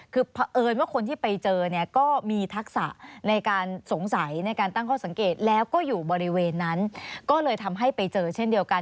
คือเพราะเอิญว่าคนที่ไปเจอเนี่ยก็มีทักษะในการสงสัยในการตั้งข้อสังเกตแล้วก็อยู่บริเวณนั้นก็เลยทำให้ไปเจอเช่นเดียวกัน